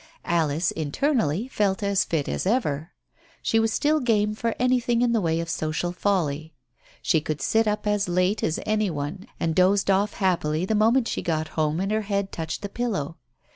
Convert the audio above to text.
Alice, internally, felt as fit as ever. She was still game for anything in the way of social folly, she could sit up as late as any one and dozed off happily the moment she got home and her head touched the pillow.